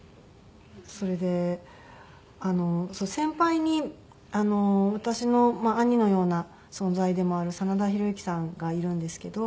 それで先輩に私の兄のような存在でもある真田広之さんがいるんですけど。